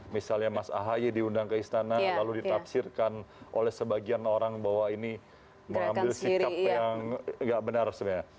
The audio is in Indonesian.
misalnya mas ahaye diundang ke istana lalu ditafsirkan oleh sebagian orang bahwa ini mengambil sikap yang nggak benar sebenarnya